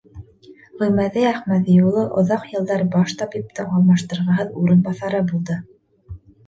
Ғимаҙи Әхмәҙи улы оҙаҡ йылдар баш табиптың алмаштырғыһыҙ урынбаҫары булды.